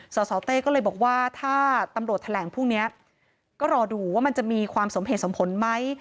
สสเต้ก็เลยบอกว่าถ้าตำรวจแถลงพรุ่งนี้ก็รอดูว่ามันจะมีความสมเหตุสมผลไหม